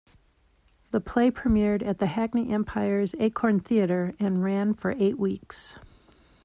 The play premiered at the Hackney Empires' "Acorn Theatre" and ran for eight weeks.